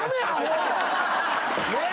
ねえ！